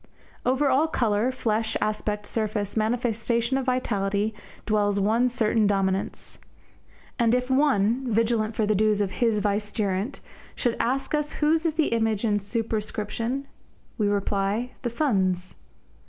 Over all colour, flesh, aspect, surface, manifestation of vitality, dwells one certain dominance. And if One, vigilant for the dues of His vicegerent, should ask us whose is the image and superscription? We reply, The Sun's.